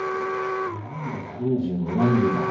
なんで判事を恨むんだ。